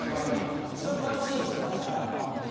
一番楽しい時期だから。